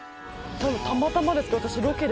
たまたまですけど私。